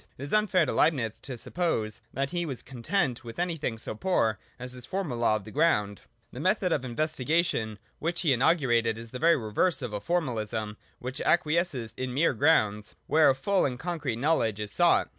It is unfair to Leibnitz to sup pose that he was content with anything so poor as this formal law of the ground. The method of investigation which he inaugurated is the very reverse of a formalism Q 2 228 THE DOCTRINE OF ESSENCE. ["i which acquiesces in mere grounds, where a full and concrete knowledge is sought.